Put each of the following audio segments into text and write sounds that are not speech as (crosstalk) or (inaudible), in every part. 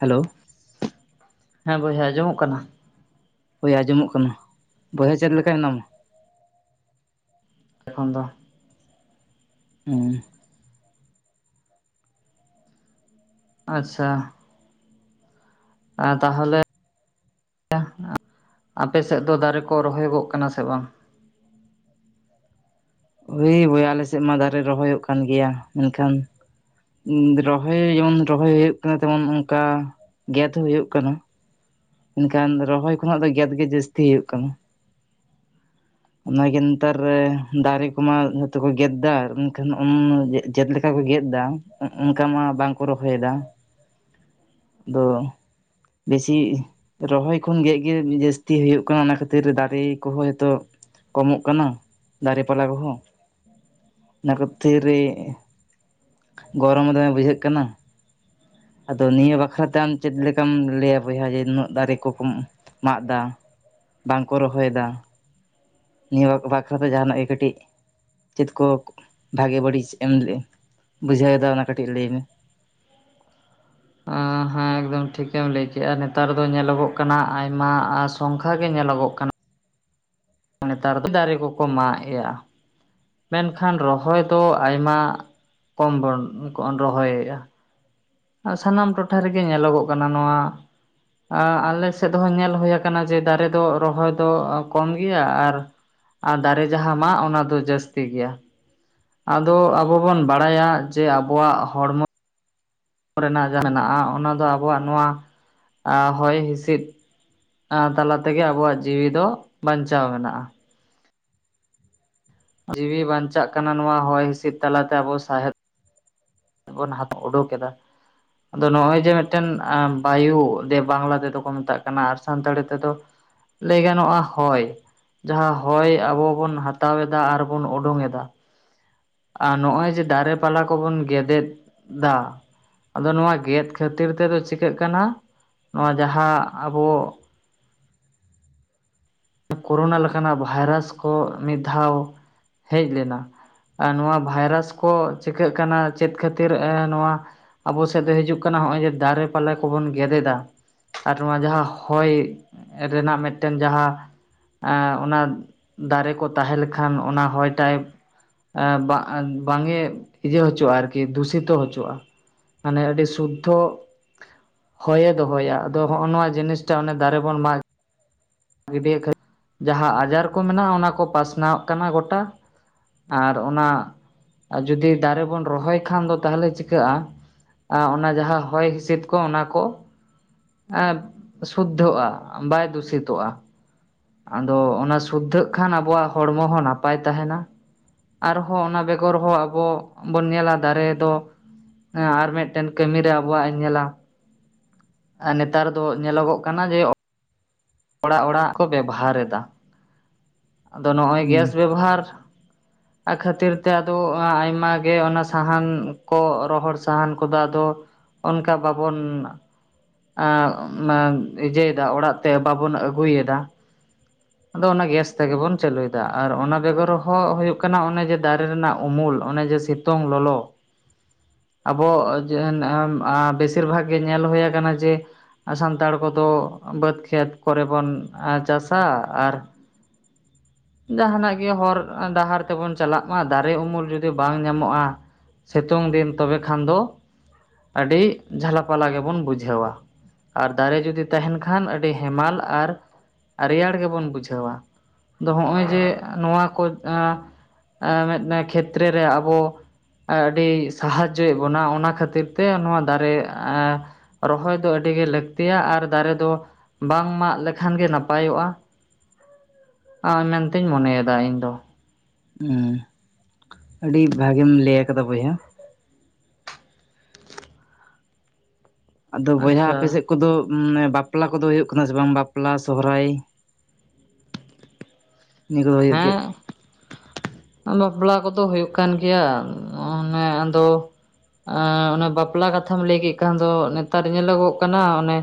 Hello ᱦᱮᱸ ᱵᱚᱭᱦᱟ ᱟᱸᱡᱚᱢᱚᱜ ᱠᱟᱱᱟ ᱦᱳᱭ ᱟᱸᱡᱚᱢᱚᱜ ᱠᱟᱱᱟ ᱵᱚᱭᱦᱟ ᱪᱮᱫ ᱞᱮᱠᱟ ᱦᱮᱱᱟᱢᱟ ᱮᱠᱷᱚᱱ ᱫᱚ ᱚᱸ ᱟᱪᱪᱷᱟ ᱛᱟᱦᱚᱞᱮ ᱟᱯᱮ ᱥᱮᱫ ᱫᱚ ᱫᱟᱨᱮ ᱠᱚ ᱨᱚᱦᱚᱭᱚᱜ ᱠᱟᱱᱟ ᱥᱮ ᱵᱟᱝ ᱳᱭ ᱵᱳᱭᱦᱟ ᱟᱞᱮ ᱥᱮᱫ ᱢᱟ ᱫᱟᱨᱮ ᱨᱚᱦᱚᱭᱚᱜ ᱠᱟᱱ ᱜᱮᱭᱟ ᱢᱮᱱᱠᱷᱟᱱ ᱨᱚᱦᱚᱭ ᱡᱮᱢᱚᱱ ᱨᱚᱦᱚᱭ ᱦᱩᱭᱩᱜ ᱠᱟᱱᱟ ᱛᱮᱢᱚᱱ ᱚᱱᱠᱟ ᱜᱮᱫ ᱦᱩᱭᱩᱜ ᱠᱟᱱᱟ ᱢᱮᱱᱠᱷᱟᱱ ᱨᱚᱦᱚᱭ ᱠᱷᱚᱱᱟᱜ ᱫᱚ ᱜᱮᱫ ᱜᱮ ᱡᱟᱹᱥᱛᱤ ᱦᱩᱭᱩᱜ ᱠᱟᱱᱟ ᱚᱱᱟᱜᱮ ᱱᱮᱛᱟᱨ ᱫᱟᱨᱮ ᱠᱚᱢᱟ ᱡᱚᱛᱚ ᱠᱚ ᱜᱮᱫ ᱮᱫᱟ ᱮᱱᱠᱷᱟᱱ ᱪᱮᱫᱮᱠᱟ ᱜᱮᱫ ᱮᱫᱟ ᱚᱱᱠᱟ ᱢᱟ ᱵᱟᱝᱠᱩ ᱨᱚᱦᱚᱭᱮᱫᱟ (unintelligible) ᱫᱚ ᱵᱮᱥᱤ ᱨᱚᱦᱚᱭ ᱠᱷᱚᱱ ᱜᱮᱫ ᱜᱮ ᱡᱟᱹᱥᱛᱤ ᱦᱩᱭᱩᱜ ᱠᱟᱱᱟ ᱚᱱᱟ ᱠᱷᱟᱹᱛᱤᱨ ᱫᱟᱨᱮ ᱠᱚᱦᱚᱸ ᱡᱚᱛᱚ ᱠᱚᱢᱚᱜ ᱠᱟᱱᱟ ᱫᱟᱨᱮ ᱯᱟᱞᱦᱟ ᱠᱚᱦᱚᱸ ᱚᱱᱟ ᱠᱚ ᱠᱷᱟᱛᱤᱨ ᱜᱚᱨᱚᱢ ᱫᱚᱢᱮ ᱵᱩᱡᱷᱟᱹᱜ ᱠᱟᱱᱟ ᱟᱫᱚ ᱱᱤᱭᱟᱹ ᱵᱟᱠᱷᱨᱟᱛᱮ ᱟᱢ ᱪᱮᱫ ᱞᱮᱠᱟᱢ ᱞᱟᱹᱭᱟ ᱵᱚᱭᱦᱟ ᱮ ᱱᱩᱱᱟᱹᱜ ᱫᱟᱨᱮ ᱠᱚᱠᱚ ᱢᱟᱜ ᱫᱟ ᱵᱟᱝᱠᱚ ᱨᱚᱦᱚᱭᱮᱫᱟ ᱱᱤᱭᱟᱹ ᱵᱟᱠᱷᱨᱟᱛᱮ ᱡᱟᱦᱟᱱᱟᱜ ᱜᱮ ᱠᱟᱹᱴᱤᱡ ᱪᱮᱫ ᱠᱚ ᱵᱷᱟᱜᱮ ᱵᱟᱹᱲᱤᱡ ᱮᱢ ᱞᱮᱫ ᱵᱩᱡᱷᱟᱹᱣᱮᱫᱟ ᱚᱱᱟ ᱠᱟᱹᱴᱤᱡ ᱞᱟᱹᱭ ᱢᱮ (unintelligible) ᱦᱮᱸ ᱮᱠᱫᱚᱢ ᱴᱷᱤᱠᱮᱢ ᱞᱟᱹᱭ ᱠᱮᱫ-ᱟ ᱱᱮᱛᱟᱨ ᱫᱚ ᱧᱮᱞᱚᱜ ᱚᱜ ᱠᱟᱱᱟ ᱟᱭᱢᱟ ᱥᱚᱝᱠᱷᱟ ᱜᱮ ᱧᱮᱞᱚᱜᱚᱜ ᱠᱟᱱᱟ ᱱᱮᱛᱟᱨ ᱫᱚ ᱫᱟᱨᱮ ᱠᱚᱠᱚ ᱢᱟᱜ ᱮ-ᱟ ᱢᱮᱱᱠᱷᱟᱱ ᱨᱚᱦᱚᱭ ᱫᱚ ᱟᱭᱢᱟ ᱠᱚᱢ ᱵᱚᱱ ᱨᱚᱦᱚᱭᱮᱫ-ᱟ ᱥᱟᱱᱟᱢ ᱴᱚᱴᱷᱟ ᱨᱮᱜᱮ ᱧᱮᱞᱚᱜᱚᱜ ᱠᱟᱱᱟ ᱱᱚᱣᱟ ᱟᱞᱮ ᱥᱮᱫ ᱦᱚᱸ ᱧᱮᱞ ᱦᱩᱭᱩ ᱟᱠᱟᱱᱟ ᱡᱮ ᱫᱟᱨᱮ ᱫᱚ ᱨᱚᱦᱚᱭ ᱫᱚ ᱠᱚᱢ ᱜᱮᱭᱟ ᱟᱨ ᱟᱨ ᱫᱟᱨᱮ ᱡᱟᱦᱟᱸ ᱢᱟᱜ ᱚᱱᱟ ᱫᱚ ᱡᱟᱹᱥᱛᱤ ᱜᱮᱭᱟ ᱟᱫᱚ ᱟᱵᱚ ᱵᱚᱱ ᱵᱟᱲᱟᱭᱟ ᱡᱮ ᱟᱵᱚᱣᱟᱜ ᱦᱚᱲᱢᱚ ᱨᱮᱱᱟᱜ ᱡᱟᱦᱟᱸ ᱢᱮᱱᱟᱜ-ᱟ ᱚᱱᱟ ᱫᱚ ᱟᱵᱚᱣᱟᱜ ᱱᱚᱣᱟ ᱦᱚᱭ ᱦᱤᱸᱥᱤᱫ ᱛᱟᱞᱟ ᱛᱮᱜᱮ ᱟᱵᱚᱣᱟᱜ ᱡᱤᱣᱤ ᱫᱚ ᱵᱟᱧᱪᱟᱣ ᱢᱮᱱᱟᱜ-ᱟ ᱡᱤᱣᱤ ᱵᱟᱧᱪᱟᱜ ᱠᱟᱱᱟ ᱱᱚᱣᱟ ᱦᱚᱭ ᱦᱤᱸᱥᱤᱫ ᱛᱟᱞᱟᱛᱮ ᱟᱵᱚ ᱥᱟᱦᱮᱫ ᱵᱚᱱ ᱩᱰᱩᱠ ᱮᱫᱟ ᱟᱫᱚ ᱱᱚᱜ-ᱚᱭ ᱡᱮ ᱢᱤᱫᱴᱮᱱ ᱵᱟᱭᱩ ᱡᱮ ᱵᱟᱝᱞᱟ ᱛᱮᱫᱚ ᱠᱚ ᱢᱮᱛᱟᱜ ᱠᱟᱱᱟ ᱟᱨ ᱥᱟᱱᱛᱟᱲᱤ ᱛᱮᱫᱚ ᱞᱟᱹᱭ ᱜᱟᱱᱚᱜ-ᱟ ᱦᱚᱭ ᱡᱟᱦᱟᱸ ᱦᱚᱭ ᱟᱵᱚ ᱵᱚᱱ ᱦᱟᱛᱟᱣ ᱮᱫᱟ ᱟᱨᱵᱚᱱ ᱩᱸᱰᱩᱝ ᱮᱫᱟ ᱟᱨ ᱱᱚᱜ-ᱚᱭ ᱡᱮ ᱫᱟᱨᱮ ᱯᱟᱞᱟ ᱠᱚᱵᱚᱱ ᱜᱮᱫ ᱮᱫᱟ ᱟᱫᱚ ᱱᱚᱣᱟ ᱜᱮᱫ ᱠᱷᱟᱹᱛᱤᱨ ᱛᱮᱫᱚ ᱪᱤᱠᱟᱹᱜ ᱠᱟᱱᱟ ᱱᱚᱣᱟ ᱡᱟᱦᱟᱸ ᱟᱵᱚ ᱠᱳᱨᱳᱱᱟ ᱞᱮᱠᱟᱱᱟᱜ ᱵᱷᱟᱭᱨᱟᱥ ᱠᱚ ᱢᱤᱫ ᱫᱷᱟᱣ ᱦᱮᱡ ᱞᱮᱱᱟ ᱱᱚᱣᱟ ᱵᱷᱟᱭᱨᱟᱥ ᱠᱚ ᱪᱤᱠᱟᱹᱜ ᱠᱟᱱᱟ ᱪᱮᱫ ᱠᱷᱟᱹᱛᱤᱨ ᱱᱚᱣᱟ ᱟᱵᱚ ᱥᱮᱫ ᱫᱚ ᱦᱤᱡᱩᱜ ᱠᱟᱱᱟ ᱱᱚᱜ-ᱚᱭ ᱡᱮ ᱫᱟᱨᱮ ᱯᱟᱞᱦᱟ ᱠᱚᱵᱚᱱ ᱜᱮᱫᱮᱫᱟ ᱟᱨ ᱱᱚᱣᱟ ᱡᱟᱦᱟᱸ ᱦᱚᱭ ᱨᱮᱱᱟᱜ ᱢᱤᱫᱴᱮᱱ ᱡᱟᱦᱟᱸ ᱮ ᱚᱱᱟ ᱫᱟᱨᱮ ᱠᱚ ᱛᱟᱦᱮᱸ ᱞᱮᱠᱷᱟᱱ ᱚᱱᱟ ᱦᱚᱭ ᱴᱟᱦᱮ ᱮ ᱵᱟᱝ ᱮ ᱤᱭᱟᱹ ᱦᱚᱪᱚᱜ-ᱟ ᱟᱨᱠᱤ ᱫᱩᱥᱤᱛᱚ ᱦᱚᱪᱚᱜ-ᱟ ᱢᱟᱱᱮ ᱟᱹᱰᱤ ᱥᱩᱫᱽᱫᱷᱚ ᱦᱚᱭᱮ ᱫᱚᱦᱚᱭᱟ ᱟᱫᱚ ᱦᱚᱸᱜ-ᱚ ᱱᱚᱣᱟ ᱡᱤᱱᱤᱥᱴᱟ ᱚᱱᱮ ᱫᱟᱨᱮ ᱵᱚᱱ ᱢᱟᱜ ᱜᱤᱰᱤᱮᱫ ᱠᱷᱟᱹᱛᱤᱨ ᱡᱟᱦᱟᱸ ᱟᱡᱟᱨ ᱠᱚ ᱢᱮᱱᱟᱜ-ᱟ ᱚᱱᱟ ᱠᱚ ᱯᱟᱥᱱᱟᱣᱚᱜ ᱠᱟᱱᱟ ᱜᱚᱴᱟ ᱟᱨ ᱚᱱᱟ ᱡᱩᱫᱤ ᱫᱟᱨᱮ ᱵᱚᱱ ᱨᱚᱦᱚᱭ ᱠᱷᱟᱱ ᱫᱚ ᱛᱟᱦᱚᱞᱮ ᱪᱤᱠᱟᱹᱜ-ᱟ ᱚᱱᱟ ᱡᱟᱦᱟᱸ ᱦᱚᱭ ᱦᱤᱸᱤᱥᱤᱫ ᱠᱚ ᱚᱱᱟ ᱠᱚ ᱮᱸ ᱥᱩᱫᱽᱫᱷᱚᱜ-ᱟ ᱵᱟᱭ ᱫᱩᱥᱤᱛᱚᱜ-ᱟ ᱟᱫᱚ ᱚᱱᱟ ᱥᱩᱫᱽᱫᱷᱟᱹᱜ ᱠᱷᱟᱱ ᱟᱵᱚᱣᱟᱜ ᱦᱚᱲᱢᱚ ᱦᱚᱸ ᱱᱟᱯᱟᱭ ᱛᱟᱦᱮᱱᱟ ᱟᱨᱦᱚᱸ ᱚᱱᱟ ᱵᱮᱜᱚᱨ ᱦᱚᱸ ᱟᱵᱚ ᱵᱚᱱ ᱧᱮᱞᱟ ᱫᱟᱨᱮ ᱫᱚ ᱦᱮᱸ ᱟᱨ ᱢᱤᱫᱴᱮᱱ ᱠᱟᱹᱢᱤᱨᱮ ᱟᱵᱚᱣᱟᱜ ᱤᱧ ᱧᱮᱞᱟ ᱱᱮᱛᱟᱨ ᱫᱚ ᱧᱮᱞᱚᱜᱚᱜ ᱠᱟᱱᱟ ᱡᱮ ᱚᱲᱟᱜ ᱚᱲᱟᱜ ᱠᱚ ᱵᱮᱵᱚᱦᱟᱨ ᱮᱫᱟ ᱟᱫᱚ ᱱᱚᱜ-ᱚᱭ ᱦᱩᱸ ᱜᱮᱥ ᱵᱮᱵᱚᱦᱟᱨ ᱚᱱᱟ ᱠᱷᱟᱹᱛᱤᱨ ᱛᱮ ᱟᱫᱚ ᱟᱭᱢᱟᱜ ᱜᱮ ᱚᱱᱟ ᱥᱟᱦᱟᱱ ᱠᱚ ᱨᱚᱦᱚᱲ ᱥᱟᱦᱟᱱ ᱠᱚᱫᱚ ᱟᱫᱚ ᱚᱱᱠᱟ ᱵᱟᱵᱚᱱ ᱤᱭᱟᱹᱭᱮᱫᱟ ᱚᱲᱟᱜ ᱛᱮ ᱵᱟᱵᱚᱱ ᱟᱹᱜᱩᱭᱮᱫᱟ ᱟᱫᱚ ᱚᱱᱟ ᱜᱮᱥ ᱛᱮᱜᱮ ᱵᱚᱱ ᱪᱟᱹᱞᱩᱭᱮᱫᱟ ᱟᱨ ᱚᱱᱟ ᱵᱮᱜᱚᱨ ᱦᱚ ᱦᱩᱭᱩᱜ ᱠᱟᱱᱟ ᱚᱱᱮ ᱡᱮ ᱫᱟᱨᱮ ᱨᱮᱱᱟᱜ ᱩᱢᱩᱞ ᱚᱱᱮ ᱡᱮ ᱥᱤᱛᱩᱝ ᱞᱚᱞᱚ ᱟᱵᱚ ᱵᱮᱥᱤᱨ ᱵᱷᱟᱜᱽ ᱜᱮ ᱧᱮᱞ ᱦᱩᱭᱩᱭᱟ ᱟᱠᱟᱱᱟ ᱡᱮ ᱥᱟᱱᱛᱟᱲ ᱠᱚᱫᱚ ᱵᱟᱹᱫᱽ ᱠᱷᱮᱛ ᱠᱚᱨᱮ ᱵᱚᱱ ᱪᱟᱥᱟ ᱟᱨ ᱡᱟᱦᱟᱱᱟᱜ ᱜᱮ ᱦᱚᱨ ᱰᱟᱦᱟᱨ ᱛᱮᱵᱚᱱ ᱪᱟᱞᱟᱜ ᱢᱟ ᱫᱟᱨᱮ ᱩᱢᱩᱞ ᱡᱩᱫᱤ ᱵᱟᱝ ᱧᱟᱢᱚᱜᱼᱟ ᱥᱤᱛᱩᱝ ᱫᱤᱱ ᱛᱚᱵᱮ ᱠᱷᱟᱱ ᱫᱚ ᱟᱹᱰᱤ ᱡᱷᱟᱞᱟᱯᱟᱞᱟ ᱜᱮᱵᱚᱱ ᱵᱩᱡᱷᱟᱹᱣ-ᱟ ᱟᱨ ᱫᱟᱨᱮ ᱡᱩᱫᱤ ᱛᱟᱦᱮᱱ ᱠᱷᱟᱱ ᱟᱹᱰᱤ ᱦᱮᱢᱟᱞ ᱟᱨ ᱨᱮᱭᱟᱲ ᱜᱮᱵᱚᱱ ᱵᱩᱡᱷᱟᱹᱣᱟ ᱟᱫᱚ ᱱᱚᱜᱼᱚᱭ ᱡᱮ ᱱᱚᱣᱟ ᱠᱚ ᱮ ᱢᱤᱫ ᱠᱷᱮᱛᱨᱮ ᱨᱮ ᱟᱵᱚ ᱟᱹᱰᱤ ᱥᱟᱦᱟᱡᱡᱚᱭᱮᱫ ᱵᱚᱱᱟ ᱚᱱᱟ ᱠᱷᱟᱹᱛᱤᱨ ᱛᱮ ᱱᱚᱣᱟ ᱫᱟᱨᱮ ᱮ ᱨᱚᱦᱚᱭ ᱫᱚ ᱟᱹᱰᱤᱜᱮ ᱞᱟᱹᱠᱛᱤᱭᱟ ᱟᱨ ᱫᱟᱨᱮ ᱫᱚ ᱵᱟᱝ ᱢᱟᱜ ᱞᱮᱠᱷᱟᱱ ᱜᱮ ᱱᱟᱯᱟᱭᱚᱜᱼᱟ ᱟᱨ ᱢᱮᱱᱛᱤᱧ ᱢᱚᱱᱮᱭᱮᱫᱟ ᱤᱧ ᱫᱚ ᱦᱮᱸ ᱟᱹᱰᱤ ᱵᱷᱟᱹᱜᱮᱢ ᱞᱟᱹᱭ ᱠᱟᱫᱟ ᱵᱚᱭᱦᱟ ᱟᱫᱚ ᱵᱚᱭᱦᱟ ᱟᱯᱮ ᱟᱪᱪᱷᱟ ᱥᱮᱫ ᱠᱚᱫᱚ ᱵᱟᱯᱞᱟ ᱠᱚᱫᱚ ᱦᱩᱭᱩᱜ ᱠᱟᱱᱟ ᱥᱮ ᱵᱟᱝ ᱵᱟᱯᱞᱟ ᱥᱚᱦᱚᱨᱟᱭ ᱱᱤᱭᱟᱹ ᱠᱚ ᱦᱩᱭᱩᱜ ᱦᱮᱸ ᱵᱟᱯᱞᱟ ᱠᱚᱫᱚ ᱦᱩᱭᱩᱜ ᱠᱟᱱ ᱜᱮᱭᱟ ᱚᱱᱮ ᱟᱫᱚ ᱚᱱᱮ ᱵᱟᱯᱞᱟ ᱠᱟᱛᱷᱟᱢ ᱞᱟᱹᱭ ᱠᱮᱫ ᱠᱷᱟᱱ ᱫᱚ ᱱᱮᱛᱟᱨ ᱧᱮᱞᱚᱜᱚᱜ ᱠᱟᱱᱟ ᱚᱱᱮ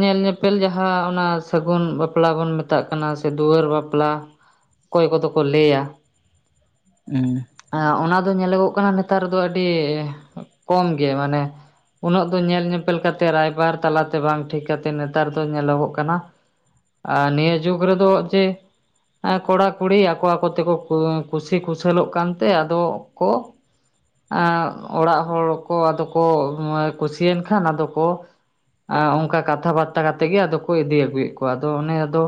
ᱧᱮᱞ ᱧᱮᱯᱮᱞ ᱡᱟᱦᱟᱸ ᱚᱱᱟ ᱥᱟᱹᱜᱩᱱ ᱵᱟᱯᱞᱟ ᱵᱚᱱ ᱢᱮᱛᱟᱜ ᱠᱟᱱᱟ ᱥᱮ ᱫᱩᱣᱟᱹᱨ ᱵᱟᱯ ᱞᱟ ᱚᱠᱚᱭ ᱠᱚᱫᱚ ᱠᱚ ᱞᱟᱹᱭᱟ ᱦᱩᱸ ᱚᱱᱟ ᱧᱮᱞᱚᱜᱚᱜ ᱠᱟᱱᱟ ᱱᱮᱛᱟᱨ ᱫᱚ ᱟᱹᱰᱤ ᱠᱚᱢ ᱜᱮ ᱢᱟᱱᱮ ᱩᱱᱟᱹᱜ ᱫᱚ ᱧᱮᱞ ᱧᱮᱯᱮᱞ ᱠᱟᱛᱮᱫ ᱨᱟᱭᱵᱟᱨ ᱛᱟᱞᱟᱛᱮ ᱵᱟᱝ ᱴᱷᱤᱠ ᱠᱟᱛᱮᱫ ᱱᱮᱛᱟᱨ ᱫᱚ ᱧᱮᱞᱚᱜᱚᱜ ᱠᱟᱱᱟ ᱟᱨ ᱱᱤᱭᱟᱹ ᱡᱩᱜᱽ ᱨᱮᱫᱚ ᱡᱮ ᱮᱸ ᱠᱚᱲᱟᱼᱠᱩᱲᱤ ᱟᱠᱚ ᱟᱠᱚ ᱛᱮᱠᱚ ᱠᱩᱥᱤ ᱠᱩᱥᱟᱹᱞᱚᱜ ᱠᱟᱱᱛᱮ ᱟᱫᱚ ᱠᱚ ᱮᱜ ᱚᱲᱟᱜ ᱦᱚᱲ ᱠᱚ ᱟᱫᱚ ᱠᱚ ᱠᱩᱥᱤᱭᱮᱱ ᱠᱷᱟᱱ ᱟᱫᱚ ᱠᱚ ᱚᱱᱠᱟ ᱠᱟᱛᱷᱟ ᱵᱟᱨᱛᱟ ᱠᱟᱛᱮᱜ ᱜᱮ ᱟᱫᱚ ᱠᱚ ᱤᱫᱤ ᱟᱹᱜᱩᱭᱮᱫ ᱠᱚᱣᱟ ᱟᱫᱚ ᱚᱱᱮ ᱟᱫᱚ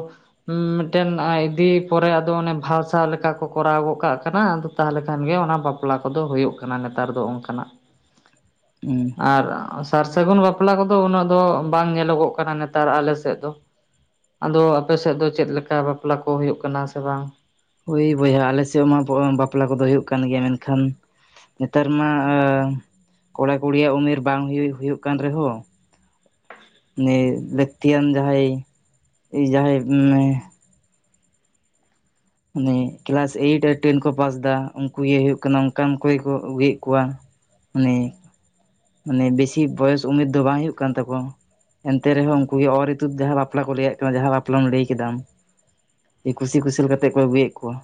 ᱢᱤᱫᱴᱮᱱ ᱟᱭ ᱤᱫᱤ ᱯᱚᱨᱮ ᱟᱫᱚ ᱚᱱᱮ ᱵᱟᱦᱟᱥᱟᱶ ᱞᱮᱠᱟ ᱠᱚ ᱠᱚᱨᱟᱣ ᱜᱚᱫ ᱠᱟᱜ ᱠᱟᱱᱟ ᱟᱫᱚ ᱛᱟᱦᱚᱞᱮ ᱠᱷᱟᱱ ᱜᱮ ᱚᱱᱟ ᱵᱟᱯᱞᱟ ᱠᱚᱫᱚ ᱦᱩᱭᱩᱜ ᱠᱟᱱᱟ ᱱᱮᱛᱟᱨ ᱫᱚ ᱚᱱᱠᱟᱱᱟᱜ ᱦᱩᱸ ᱟᱨ ᱥᱟᱨ ᱥᱟᱹᱜᱩᱱ ᱵᱟᱯᱞᱟ ᱠᱚᱫᱚ ᱩᱱᱟᱹᱜ ᱫᱚ ᱵᱟᱝ ᱧᱮᱞᱚᱜᱚᱜ ᱠᱟᱱᱟ ᱱᱮᱛᱟᱨ ᱟᱞᱮ ᱥᱮᱫ ᱫᱚ ᱟᱫᱚ ᱟᱯᱮ ᱥᱮᱫ ᱫᱚ ᱪᱮᱫ ᱞᱮᱠᱟ ᱵᱟᱯᱞᱟ ᱠᱚ ᱦᱩᱭᱩᱜ ᱠᱟᱱᱟ ᱥᱮ ᱵᱟᱝ ᱳᱭ ᱵᱚᱭᱦᱟ ᱟᱞᱮ ᱥᱮᱫ ᱢᱟ ᱵᱟᱯᱞᱟ ᱠᱚᱫᱚ ᱦᱩᱭᱩᱜ ᱠᱟᱱ ᱜᱮᱭᱟ ᱢᱮᱱᱠᱷᱟᱱ ᱱᱮᱛᱟᱨ ᱢᱟ ᱠᱚᱲᱟ ᱠᱩᱲᱤᱭᱟᱜ ᱩᱢᱮᱨ ᱵᱟᱝ ᱦᱩᱭᱩᱜ ᱦᱩᱭᱩᱜ ᱠᱟᱱ ᱨᱮᱦᱚᱸ ᱩᱱᱤ ᱞᱟᱹᱠᱛᱤᱭᱟᱱ ᱡᱟᱦᱟᱸᱭ ᱡᱟᱦᱟᱸᱭ ᱢᱟᱱᱮ ᱠᱮᱞᱟᱥ ᱮᱭᱤᱴ ᱟᱨ ᱴᱮᱱ ᱠᱚ ᱯᱟᱥ ᱮᱫᱟ ᱩᱱᱠᱩ ᱜᱮ ᱦᱩᱭᱩᱜ ᱠᱟᱱᱟ ᱚᱱᱠᱟᱱ ᱠᱚᱜᱮ ᱠᱚ ᱟᱹᱜᱩᱭᱮᱫ ᱠᱚᱣᱟ ᱢᱟᱱᱮ ᱢᱟᱱᱮ ᱵᱮᱥᱤ ᱵᱚᱭᱮᱥ ᱩᱢᱮᱨ ᱫᱚ ᱵᱟᱝ ᱦᱩᱭᱩᱜ ᱠᱟᱱ ᱛᱟᱠᱚᱣᱟ ᱮᱱᱛᱮ ᱨᱮᱦᱚᱸ ᱩᱱᱠᱩ ᱜᱮ ᱚᱨ ᱤᱛᱩᱫ ᱡᱟᱦᱟᱸ ᱵᱟᱯᱞᱟ ᱠᱚ ᱞᱟᱹᱫ ᱠᱟᱱᱟ ᱡᱟᱦᱟᱸ ᱵᱟᱯᱞᱟᱢ ᱞᱟᱹᱭ ᱠᱮᱫᱟ ᱟᱢ ᱠᱩᱥᱤ ᱠᱩᱥᱟᱹᱞ ᱠᱟᱛᱮᱫ ᱠᱚ ᱟᱹᱜᱩᱭᱮᱫ ᱠᱚᱣᱟ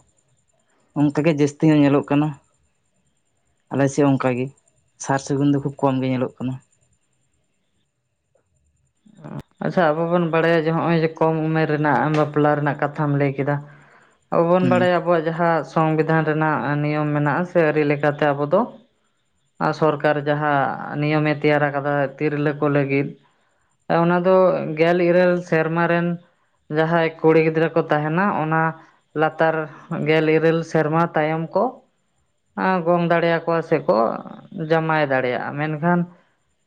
ᱚᱱᱠᱟᱜᱮ ᱡᱟᱹᱥᱛᱤ ᱧᱚᱜ ᱧᱮᱞᱚᱜ ᱠᱟᱱᱟ ᱟᱞᱮᱥᱮᱫ ᱚᱱᱠᱟ ᱜᱮ ᱥᱟᱨ ᱥᱟᱹᱜᱩᱱ ᱫᱚ ᱠᱷᱩᱵ ᱠᱚᱢ ᱜᱮ ᱧᱮᱞᱚᱜ ᱠᱟᱱᱟ ᱟᱪᱪᱷᱟ ᱟᱵᱚ ᱵᱚᱱ ᱵᱟᱲᱟᱭᱟ ᱡᱮ ᱱᱚᱜᱼᱚᱭ ᱡᱮ ᱠᱚᱢ ᱩᱢᱮᱨ ᱨᱮᱱᱟᱜ ᱵᱟᱯᱞᱟ ᱨᱮᱱᱟᱜ ᱠᱟᱛᱷᱟᱢ ᱞᱟᱹᱭ ᱠᱮᱫᱟ ᱟᱵᱚ ᱵᱚᱱ ᱦᱩᱸ ᱵᱟᱲᱟᱭᱟ ᱟᱵᱚᱣᱟᱜ ᱡᱟᱦᱟᱸ ᱥᱚᱝᱵᱤᱫᱷᱟᱱ ᱨᱮᱱᱟᱜ ᱱᱤᱭᱚᱢ ᱢᱮᱱᱟᱜᱼᱟ ᱥᱮ ᱟᱹᱨᱤ ᱞᱮᱠᱟᱛᱮ ᱟᱵᱚ ᱫᱚ ᱥᱚᱨᱠᱟᱨ ᱡᱟᱦᱟᱸ ᱱᱤᱭᱚᱢᱮ ᱛᱮᱭᱟᱨ ᱠᱟᱫᱟ ᱛᱤᱨᱞᱟᱹ ᱠᱚ ᱞᱟᱹᱜᱤᱫ ᱚᱱᱟ ᱫᱚ ᱜᱮᱞ ᱤᱨᱟᱹᱞ ᱥᱮᱨᱢᱟ ᱨᱮᱱ ᱡᱟᱦᱟᱸᱭ ᱠᱩᱲᱤ ᱜᱤᱫᱽᱨᱟᱹ ᱠᱚ ᱛᱟᱦᱮᱸᱱᱟ ᱚᱱᱟ ᱞᱟᱛᱟᱨ ᱜᱮᱞ ᱤᱨᱟᱹᱞ ᱥᱮᱨᱢᱟ ᱛᱟᱭᱚᱢ ᱠᱚ ᱜᱚᱝ ᱫᱟᱲᱮᱭᱟᱠᱚᱣᱟ ᱥᱮᱠᱚ ᱡᱟᱢᱟᱭ ᱫᱟᱲᱮᱭᱟᱜᱼᱟ ᱢᱮᱱᱠᱷᱟᱱ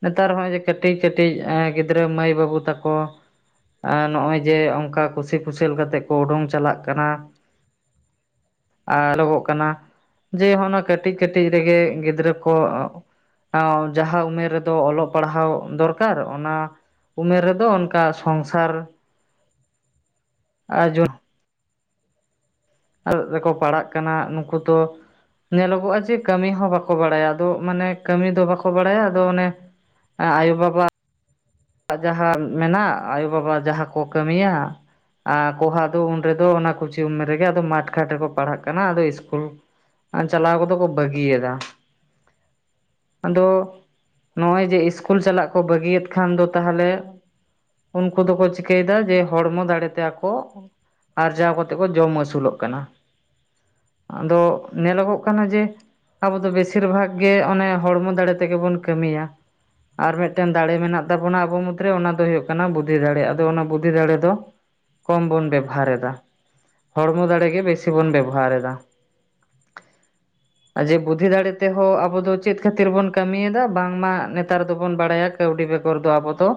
ᱱᱮᱛᱟᱨ ᱦᱚᱸᱜᱼᱚᱭ ᱡᱮ ᱠᱟᱹᱴᱤᱡᱼᱠᱟᱹᱴᱤᱡ ᱜᱤᱫᱽᱨᱟᱹ ᱢᱟᱹᱭ ᱵᱟᱹᱵᱩ ᱛᱟᱠᱚ ᱟ ᱱᱚᱜᱼᱚᱭ ᱡᱮ ᱚᱱᱠᱟ ᱠᱩᱥᱤ ᱠᱩᱥᱟᱹᱞ ᱠᱟᱛᱮᱜ ᱠᱚ ᱚᱰᱚᱝ ᱪᱟᱞᱟᱜ ᱠᱟᱱᱟ ᱟᱞᱚᱜᱚᱜ ᱠᱟᱱᱟ ᱡᱮ ᱦᱚᱜᱼᱱᱟ ᱠᱟᱹᱴᱤᱡ ᱠᱟᱹᱴᱤᱡ ᱨᱮᱜᱮ ᱜᱤᱫᱽᱨᱟᱹ ᱠᱚ ᱟ ᱡᱟᱦᱟᱸ ᱩᱢᱮᱨ ᱨᱮᱫᱚ ᱚᱞᱚᱜ ᱯᱟᱲᱦᱟᱣ ᱫᱚᱨᱠᱟᱨ ᱚᱱᱟ ᱩᱢᱮᱨ ᱨᱮᱫᱚ ᱚᱱᱠᱟ ᱥᱚᱝᱥᱟᱨ ᱟᱨ ᱡᱚᱦ ᱟᱨ ᱨᱮᱠᱚ ᱯᱟᱲᱟᱜ ᱠᱟᱱᱟ ᱱᱩᱠᱩ ᱫᱚ ᱧᱮᱞᱚᱜᱚᱜᱼᱟ ᱡᱮ ᱠᱟᱹᱢᱤ ᱦᱚᱸ ᱵᱟᱠᱚ ᱵᱟᱲᱟᱭᱟ ᱟᱫᱚ ᱢᱟᱱᱮ ᱠᱟᱹᱢᱤ ᱫᱚ ᱵᱟᱠᱚ ᱵᱟᱲᱟᱭᱟ ᱟᱫᱚ ᱚᱱᱮ ᱟᱭᱳ ᱵᱟᱵᱟ ᱟᱜ ᱡᱟᱦᱟᱸ ᱢᱮᱱᱟᱜᱼᱟ ᱟᱭᱳ ᱵᱟᱵᱟ ᱡᱟᱦᱟᱸ ᱠᱚ ᱠᱟᱹᱢᱤᱭᱟ ᱟᱨ ᱠᱚᱦᱟ ᱫᱚ ᱩᱱᱰᱮ ᱫᱚ ᱚᱱᱟ ᱠᱩᱪᱤ ᱩᱢᱮᱨ ᱨᱮᱜᱮ ᱟᱫᱚ ᱢᱟᱴᱷ ᱠᱷᱟᱴ ᱨᱮᱠᱚ ᱯᱟᱲᱦᱟᱜ ᱠᱟᱱᱟ ᱟᱫᱚ ᱤᱥᱠᱩᱞ ᱪᱟᱞᱟᱣ ᱠᱚᱫᱚ ᱠᱚ ᱵᱟᱹᱜᱤᱭᱮᱫᱟ ᱟᱫᱚ ᱱᱚᱜᱼᱚᱭ ᱡᱮ ᱤᱥᱠᱩᱞ ᱪᱟᱞᱟᱜ ᱠᱚ ᱵᱟᱹᱜᱤᱭᱮᱫ ᱠᱷᱟᱱ ᱫᱚ ᱛᱟᱦᱟᱞᱮ ᱩᱱᱠᱩ ᱫᱚᱠᱚ ᱪᱤᱠᱟᱹᱭ ᱫᱟ ᱡᱮ ᱦᱚᱲᱢᱚ ᱫᱟᱲᱮ ᱛᱮ ᱟᱠᱚ ᱟᱨᱡᱟᱣ ᱠᱟᱛᱮᱜ ᱠᱚ ᱡᱚᱢ ᱟᱹᱥᱩᱞᱚᱜ ᱠᱟᱱᱟ ᱟᱫᱚ ᱧᱮᱞᱚᱜᱚᱜ ᱠᱟᱱᱟ ᱡᱮ ᱟᱵᱚ ᱫᱚ ᱵᱮᱥᱤᱨ ᱵᱷᱟᱜᱽ ᱜᱮ ᱚᱱᱮ ᱦᱚᱲᱢᱚ ᱫᱟᱲᱮ ᱛᱮᱜᱮ ᱵᱚᱱ ᱠᱟᱹᱢᱤᱭᱟ ᱟᱨ ᱢᱤᱫᱴᱮᱱ ᱫᱟᱲᱮ ᱢᱮᱱᱟᱜ ᱛᱟᱵᱚᱱᱟ ᱟᱵᱚ ᱢᱩᱫᱽᱨᱮ ᱚᱱᱟ ᱫᱚ ᱦᱩᱭᱩᱜ ᱠᱟᱱᱟ ᱵᱩᱫᱽᱫᱷᱤ ᱫᱟᱲᱮ ᱟᱫᱚ ᱚᱱᱟ ᱵᱩᱫᱷᱤ ᱫᱟᱲᱮ ᱫᱚ ᱠᱚᱢ ᱵᱚᱱ ᱵᱮᱵᱚᱦᱟᱨ ᱮᱫᱟ ᱦᱚᱲᱢᱚ ᱫᱟᱲᱮ ᱜᱮ ᱵᱮᱥᱤ ᱵᱚᱱ ᱵᱮᱵᱚᱦᱟᱨ ᱮᱫᱟ ᱡᱮ ᱵᱩᱫᱽᱫᱷᱤ ᱫᱟᱲᱮ ᱛᱮᱦᱚᱸ ᱟᱵᱚ ᱫᱚ ᱪᱮᱫ ᱠᱷᱟᱹᱛᱤᱨ ᱵᱚᱱ ᱠᱟᱹᱢᱤᱭᱮᱫᱟ ᱵᱟᱝᱢᱟ ᱱᱮᱛᱟᱨ ᱫᱚᱵᱚᱱ ᱵᱟᱲᱟᱭᱟ ᱠᱟᱹᱣᱰᱤ ᱵᱮᱜᱚᱨ ᱫᱚ ᱟᱵᱚ ᱛᱚ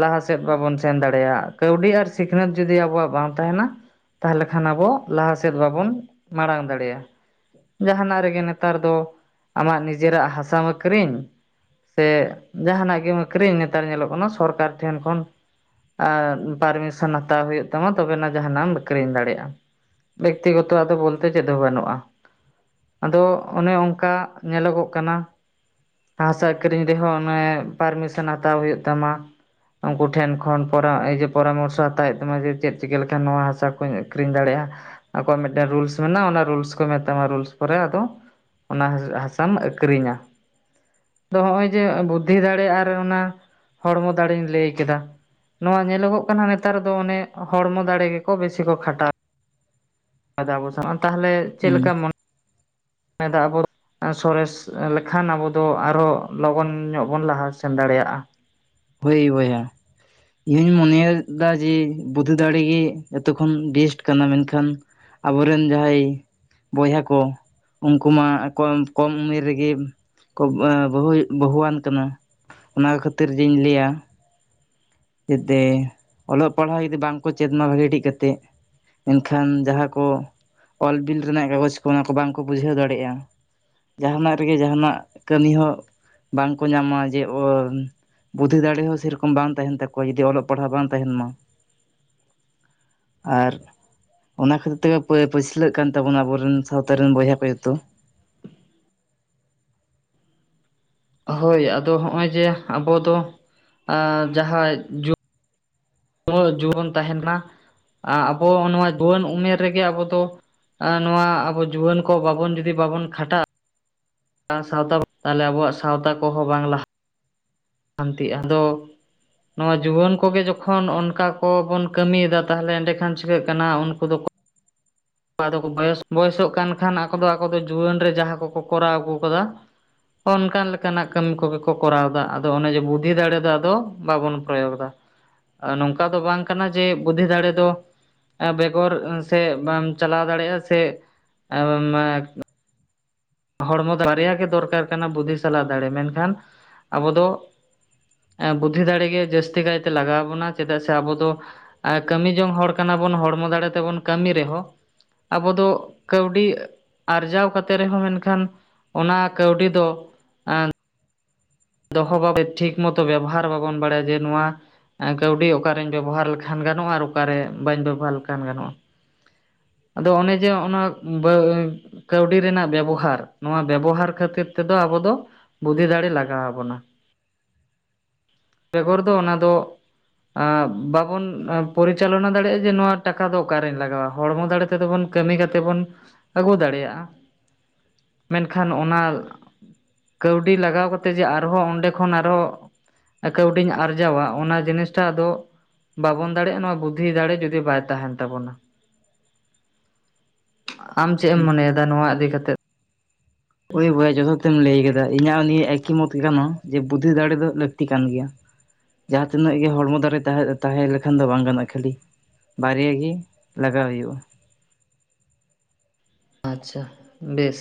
ᱞᱟᱦᱟ ᱥᱮᱫ ᱵᱟᱵᱚᱱ ᱥᱮᱱ ᱫᱟᱲᱮᱭᱟᱜ ᱠᱟᱹᱣᱰᱤ ᱟᱨ ᱥᱤᱠᱷᱱᱟᱹᱛ ᱡᱩᱫᱤ ᱟᱵᱚᱣᱟᱜ ᱵᱟᱝ ᱛᱟᱦᱮᱱᱟ ᱛᱟᱦᱟᱞᱮ ᱠᱷᱟᱱ ᱟᱵᱚ ᱞᱟᱦᱟ ᱥᱮᱫ ᱵᱟᱵᱚᱱ ᱢᱟᱲᱟᱝ ᱫᱟᱲᱮᱭᱟᱜᱼᱟ ᱡᱟᱦᱟᱱᱟᱜ ᱨᱮᱜᱮ ᱱᱮᱛᱟᱨ ᱫᱚ ᱟᱢᱟᱜ ᱱᱤᱡᱮᱨᱟᱜ ᱦᱟᱥᱟᱢ ᱟᱹᱠᱷᱨᱤᱧ ᱥᱮ ᱡᱟᱦᱟᱱᱟᱜ ᱜᱮᱢ ᱟᱹᱠᱷᱨᱤᱧ ᱱᱮᱛᱟᱨ ᱧᱮᱞᱚᱜ ᱠᱟᱱᱟ ᱥᱚᱨᱠᱟᱨ ᱴᱷᱮᱱ ᱠᱷᱚᱱ ᱯᱟᱨᱢᱤᱥᱚᱱ ᱦᱟᱛᱟᱣ ᱦᱩᱭᱩᱜ ᱛᱟᱢᱟ ᱛᱚᱵᱮᱱᱟᱜ ᱡᱟᱦᱟᱱᱟᱜ ᱮᱢ ᱟᱹᱠᱷᱤᱨᱤᱧ ᱫᱟᱲᱮᱭᱟᱜᱼᱟ ᱵᱮᱠᱛᱤᱜᱚᱛᱚ ᱟᱫᱚ ᱵᱚᱞᱛᱮ ᱪᱮᱫ ᱦᱚᱸ ᱵᱟᱹᱱᱩᱜᱼᱟ ᱟᱫᱚ ᱚᱱᱮ ᱚᱱᱠᱟ ᱧᱮᱞᱚᱜᱚᱜ ᱠᱟᱱᱟ ᱦᱟᱥᱟ ᱟᱹᱠᱷᱨᱤᱧ ᱨᱮᱦᱚᱸ ᱚᱱᱮ ᱯᱟᱨᱢᱤᱥᱚᱱ ᱦᱟᱛᱟᱣ ᱦᱩᱭᱩᱜ ᱛᱟᱢᱟ ᱩᱱᱠᱩ ᱴᱷᱮᱱ ᱠᱷᱚᱱ ᱯᱚᱨᱟᱼᱤᱡᱮ ᱯᱚᱨᱟᱢᱚᱨᱥᱚ ᱦᱟᱛᱟᱣᱮᱫ ᱛᱟᱢᱟ ᱡᱮ ᱪᱮᱫ ᱪᱤᱠᱟᱹ ᱞᱮᱠᱷᱟᱱ ᱱᱚᱣᱟ ᱦᱟᱥᱟᱠᱩᱧ ᱟᱠᱷᱨᱤᱧ ᱫᱟᱲᱮᱭᱟᱜᱼᱟ᱾ ᱟᱠᱚᱣᱟᱜ ᱢᱤᱫᱴᱮᱱ ᱨᱩᱞᱥ ᱢᱮᱱᱟᱜᱼᱟ ᱚᱱᱟ ᱨᱩᱞᱥ ᱠᱚ ᱢᱮᱛᱟᱢᱟ ᱨᱩᱞᱥ ᱯᱚᱨᱮ ᱟᱫᱚ ᱚᱱᱟ ᱦᱟᱥᱼᱦᱟᱥᱟᱢ ᱟᱹᱠᱷᱨᱤᱧᱟ ᱟᱫᱚ ᱦᱚᱸᱜᱼᱚᱭ ᱡᱮ ᱵᱩᱫᱽᱫᱷᱤ ᱫᱟᱲᱮᱭᱟᱜᱼᱟ ᱟᱨ ᱚᱱᱟ ᱦᱚᱲᱢᱚ ᱫᱟᱲᱮᱧ ᱞᱟᱹᱭ ᱠᱮᱫᱟ᱾ ᱱᱚᱣᱟ ᱧᱮᱞᱚᱜᱚᱜ ᱠᱟᱱᱟ ᱱᱮᱛᱟᱨ ᱫᱚ ᱚᱱᱮ ᱦᱚᱲᱢᱚ ᱫᱟᱲᱮ ᱜᱮᱠᱚ ᱵᱮᱥᱤ ᱠᱚ ᱠᱷᱟᱴᱟᱣ ᱟᱫᱚ ᱟᱵᱚ ᱥᱮ ᱛᱟᱦᱚᱞᱮ ᱪᱮᱫ ᱦᱩᱸ ᱞᱮᱠᱟᱢ ᱢᱚᱱᱮ ᱢᱮ ᱫᱟ ᱟᱵᱚ ᱥᱚᱨᱮᱥ ᱞᱮᱠᱷᱟᱱ ᱟᱵᱚ ᱫᱚ ᱟᱨᱚ ᱞᱚᱜᱚᱱ ᱧᱚᱜ ᱵᱚᱱ ᱞᱟᱦᱟ ᱥᱮ ᱥᱮᱱ ᱫᱟᱲᱮᱭᱟᱜᱼᱟ᱾ ᱦᱳᱭ ᱵᱚᱭᱦᱟ᱾ ᱤᱧ ᱢᱚᱱᱮᱭ ᱫᱟ ᱡᱮ ᱵᱩᱫᱷᱤ ᱫᱟᱲᱮᱜᱮ ᱮᱛᱚᱠᱷᱚᱱ ᱵᱮᱥᱴ ᱠᱟᱱᱟ ᱢᱮᱱᱠᱷᱟᱱ ᱟᱵᱚᱨᱮᱱ ᱡᱟᱦᱟᱸᱭ ᱵᱚᱭᱦᱟ ᱠᱚ ᱩᱱᱠᱩ ᱢᱟ ᱟᱠᱚᱢ ᱠᱚᱢ ᱩᱢᱮᱨ ᱨᱮᱜᱮ ᱠᱚ ᱵᱼᱵᱟᱼᱵᱟᱦᱩᱭ ᱵᱟᱹᱦᱩᱣᱟᱱ ᱠᱟᱱᱟ᱾ ᱚᱱᱟ ᱠᱷᱟᱹᱛᱤᱨ ᱡᱤᱧ ᱞᱟᱹᱭᱟ (inaudible) ᱡᱟᱛᱮ ᱚᱞᱚᱜ ᱯᱟᱲᱦᱟᱜ ᱡᱩᱫᱤ ᱵᱟᱝᱠᱚ ᱪᱮᱫ ᱢᱟ ᱵᱷᱟᱜᱮ ᱴᱷᱤᱠ ᱠᱟᱛᱮᱜ ᱢᱮᱱᱠᱷᱟᱱ ᱡᱟᱦᱟᱸ ᱠᱚ ᱚᱞ ᱵᱤᱞ ᱨᱮᱱᱟᱜ ᱠᱟᱜᱚᱡᱽ ᱠᱚ ᱢᱟ ᱠᱚ ᱵᱟᱝᱠᱚ ᱵᱩᱡᱷᱟᱹᱣ ᱫᱟᱲᱮᱭᱟᱜᱼᱟ᱾ ᱡᱟᱦᱟᱱᱟᱜ ᱨᱮᱜᱮ ᱡᱟᱦᱟᱱᱟᱜ ᱠᱟᱹᱢᱤ ᱦᱚᱸ ᱵᱟᱝᱠᱚ ᱧᱟᱢᱟ ᱡᱮ ᱵᱩᱫᱽᱫᱷᱤ ᱫᱟᱲᱮ ᱦᱚᱸ ᱥᱮᱨᱚᱠᱚᱢ ᱵᱟᱝ ᱛᱟᱦᱮᱱ ᱛᱟᱠᱚᱣᱟ᱾ ᱚᱠᱚᱭ ᱡᱩᱫᱤ ᱚᱞᱚᱜ ᱯᱟᱲᱦᱟᱣ ᱵᱟᱝ ᱛᱟᱦᱮᱱ ᱢᱟ ᱟᱨ ᱚᱱᱟ ᱠᱷᱟᱹᱛᱤᱨ ᱛᱮᱜᱮ ᱯᱟᱹᱪᱞᱟᱹᱜ ᱠᱟᱱ ᱛᱟᱵᱚᱱᱟ ᱟᱵᱚ ᱨᱮᱱ ᱥᱟᱶᱛᱟ ᱨᱮᱱ ᱵᱚᱭᱦᱟ ᱠᱚ ᱡᱚᱛᱚ᱾ (inaudible) ᱦᱳᱭ ᱟᱫᱚ ᱦᱚᱸᱜ-ᱚᱭ ᱡᱮ ᱟᱵᱚ ᱫᱚ ᱡᱟᱦᱟᱸᱭ ᱱᱚᱣᱟ ᱡᱩᱣ ᱵᱚᱱ ᱛᱟᱦᱮᱱᱟ ᱟᱵᱚ ᱱᱚᱣᱟ ᱡᱩᱣᱟᱹᱱ ᱩᱢᱮᱨ ᱨᱮᱜᱮ ᱟᱵᱚ ᱫᱚ ᱱᱚᱣᱟ ᱟᱵᱚ ᱡᱩᱣᱟᱹᱱ ᱠᱚ ᱵᱟᱵᱚᱱ ᱡᱩᱫᱤ ᱵᱟᱵᱚᱱ ᱠᱷᱟᱴᱟᱜ ᱥᱟᱶᱛᱟ ᱛᱟᱦᱚᱞᱮ ᱟᱵᱚᱣᱟᱜ ᱥᱟᱶᱛᱟ ᱠᱚᱦᱚᱸ ᱵᱟᱝ ᱞᱟᱦᱟ ᱦᱟᱱᱛᱤᱜ ᱟᱫᱚ ᱱᱚᱣᱟ ᱡᱩᱣᱟᱹᱱ ᱠᱚᱜᱮ ᱡᱚᱠᱷᱚᱱ ᱚᱱᱠᱟ ᱠᱚᱵᱚᱱ ᱠᱟᱹᱢᱤᱭᱮᱫᱟ ᱛᱟᱦᱚᱞᱮ ᱮᱸᱰᱮᱠᱷᱟᱱ ᱪᱤᱠᱟᱹᱜ ᱠᱟᱱᱟ ᱩᱱᱠᱩ ᱫᱚᱠᱚ (inaudible) ᱟᱫᱚ ᱠᱚ ᱵᱚᱭᱮᱥᱚᱜ ᱠᱟᱱ ᱠᱷᱟᱱ ᱟᱠᱚ ᱫᱚ ᱟᱠᱚ ᱫᱚ ᱡᱩᱣᱟᱹᱱ ᱨᱮ ᱡᱟᱦᱟᱸ ᱠᱚᱠᱚ ᱠᱚᱨᱟᱣ ᱟᱹᱜᱩ ᱠᱟᱫᱟ, ᱚᱱᱠᱟᱱ ᱞᱮᱠᱟᱱᱟᱜ ᱠᱟᱹᱢᱤ ᱠᱚᱜᱮ ᱠᱚ ᱠᱚᱨᱟᱣᱫᱟ ᱟᱫᱚ ᱟᱫᱚ ᱚᱱᱮ ᱡᱮ ᱵᱩᱫᱽᱫᱷᱤ ᱫᱟᱲᱮ ᱫᱚ ᱟᱫᱚ ᱵᱟᱵᱚᱱ ᱯᱨᱚᱭᱳᱜᱽ ᱮᱫᱟ᱾ ᱱᱚᱝᱠᱟ ᱫᱚ ᱵᱟᱝ ᱠᱟᱱᱟ ᱡᱮ ᱵᱩᱫᱽᱫᱷᱤ ᱫᱟᱲᱮ ᱫᱚ ᱵᱮᱜᱚᱨ ᱥᱮ ᱵᱟᱢ ᱪᱟᱞᱟᱣ ᱫᱟᱲᱮᱭᱟᱜ-ᱟ ᱥᱮ ᱦᱚᱲᱢᱚ ᱫᱚ ᱵᱟᱨᱭᱟ ᱜᱮ ᱫᱚᱨᱠᱟᱨ ᱠᱟᱱᱟ ᱵᱩᱫᱽᱫᱷᱤ ᱥᱟᱞᱟᱜ ᱫᱟᱲᱮ ᱢᱮᱱᱠᱷᱟᱱ ᱟᱵᱚ ᱫᱚ ᱵᱩᱫᱽᱫᱷᱤ ᱫᱟᱲᱮᱜ ᱜᱮ ᱡᱟᱹᱥᱛᱤ ᱠᱟᱭᱛᱮ ᱞᱟᱜᱟᱣ ᱵᱚᱱᱟ ᱪᱮᱫᱟᱜ ᱥᱮ ᱟᱵᱚ ᱫᱚ ᱠᱟᱹᱢᱤ ᱡᱚᱝ ᱦᱚᱲ ᱠᱟᱱᱟ ᱦᱚᱲᱢᱚ ᱫᱟᱲᱮ ᱛᱮᱵᱚᱱ ᱠᱟᱹᱢᱤ ᱨᱮᱦᱚᱸ ᱟᱵᱚ ᱫᱚ ᱠᱟᱹᱣᱰᱤ ᱟᱨᱡᱟᱣ ᱠᱟᱛᱮ ᱨᱮᱦᱚᱸ ᱢᱮᱱᱠᱷᱟᱱ ᱠᱷᱟᱱ ᱚᱱᱟ ᱠᱟᱹᱣᱰᱤ ᱫᱚ ᱫᱚᱦᱚ ᱵᱷᱟᱵᱮ ᱴᱷᱤᱠ ᱢᱚᱛᱚ ᱵᱮᱵᱚᱦᱟᱨ ᱵᱟᱵᱚᱱ ᱵᱟᱲᱟᱭᱟ ᱡᱮ ᱱᱚᱣᱟ ᱠᱟᱹᱣᱰᱤ ᱚᱠᱟᱨᱤᱧ ᱵᱮᱵᱚᱦᱟᱨ ᱞᱮᱠᱷᱟᱱ ᱜᱟᱱᱚᱜ-ᱟ ᱟᱨ ᱚᱠᱟᱨᱮ ᱵᱟᱹᱧ ᱵᱮᱵᱚᱦᱟᱨ ᱞᱮᱠᱷᱟᱱ ᱜᱟᱱᱚᱜ-ᱟ᱾ (inaudible) ᱟᱫᱚ ᱚᱱᱮ ᱡᱮ ᱚᱱᱟ ᱠᱟᱹᱣᱰᱤ ᱨᱮᱱᱟᱜ ᱵᱮᱵᱚᱦᱟᱨ ᱱᱚᱣᱟ ᱵᱮᱵᱚᱦᱟᱨ ᱠᱷᱟᱹᱛᱤᱨ ᱛᱮᱫᱚ ᱟᱵᱚ ᱟᱵᱚ ᱫᱚ ᱵᱩᱫᱷᱤ ᱫᱟᱲᱮ ᱞᱟᱜᱟᱣᱼᱟ ᱵᱚᱱᱟ᱾ ᱵᱮᱜᱚᱨ ᱫᱚ ᱚᱱᱟ ᱫᱚ ᱵᱟᱵᱚᱱ ᱯᱚᱨᱤᱪᱟᱞᱚᱱᱟ ᱫᱟᱲᱮᱭᱟᱜ-ᱟ ᱡᱮ ᱱᱚᱣᱟ ᱴᱟᱠᱟ ᱫᱚ ᱚᱠᱟᱨᱤᱧ ᱞᱟᱜᱟᱣᱟ᱾ ᱦᱚᱲᱢᱚ ᱫᱟᱲᱮ ᱛᱮᱫᱚ ᱵᱚᱱ ᱠᱟᱹᱢᱤ ᱠᱟᱛᱮᱜ ᱵᱚᱱ ᱟᱹᱜᱩ ᱫᱟᱲᱮᱭᱟᱜ-ᱟ᱾ ᱢᱮᱱᱠᱷᱟᱱ ᱚᱱᱟ ᱠᱟᱹᱣᱰᱤ ᱞᱟᱜᱟᱣ ᱠᱟᱛᱮ ᱡᱮ ᱟᱨᱦᱚ ᱚᱸᱰᱮ ᱠᱷᱚᱱ ᱟᱨᱦᱚ ᱠᱟᱹᱣᱰᱤᱧ ᱟᱨᱡᱟᱣᱟ ᱚᱱᱟ ᱡᱤᱱᱤᱥᱴᱟᱜ ᱟᱫᱚ ᱵᱟᱵᱚᱱ ᱫᱟᱲᱮᱭᱟᱜ-ᱟ ᱱᱚᱣᱟ ᱵᱩᱫᱽᱫᱷᱤ ᱫᱟᱲᱮ ᱡᱩᱫᱤ ᱵᱟᱭ ᱛᱟᱦᱮᱱ ᱛᱟᱵᱚᱱᱟ᱾ ᱟᱢ ᱪᱮᱫ ᱮᱢ ᱢᱚᱱᱮᱭᱮᱫᱟ ᱱᱚᱣᱟ ᱤᱫᱤ ᱠᱟᱛᱮᱫ ᱦᱳᱭ ᱵᱚᱭᱦᱟ ᱡᱚᱛᱷᱟᱛ ᱮᱢ ᱞᱟᱹᱭ ᱠᱟᱫᱟ ᱤᱧᱟᱹᱜ ᱦᱚᱸ ᱱᱤᱭᱟᱹ ᱮᱠᱤ ᱢᱚᱛ ᱠᱟᱱᱟ ᱡᱮ ᱵᱩᱫᱽᱫᱷᱤ ᱫᱟᱲᱮ ᱫᱚ ᱞᱟᱹᱠᱛᱤ ᱠᱟᱱ ᱜᱮᱭᱟ ᱡᱟᱦᱟᱸ ᱛᱤᱱᱟᱹᱜ ᱜᱮ ᱦᱚᱲᱢᱚ ᱫᱟᱨᱮ ᱛᱟᱦᱮᱸ ᱞᱮᱠᱷᱟᱱ ᱫᱚ ᱵᱟᱝ ᱜᱟᱱᱚᱜ-ᱟ ᱠᱷᱟᱹᱞᱤ ᱵᱟᱨᱭᱟ ᱜᱮ ᱞᱟᱜᱟᱣ ᱦᱩᱭᱩᱜ-ᱟ ᱟᱪᱪᱷᱟ ᱵᱮᱥ